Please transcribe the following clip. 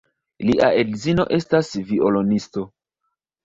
Lia edzino estas violonisto.